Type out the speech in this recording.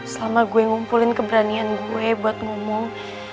selama gue ngumpulin keberanian gue buat ngomong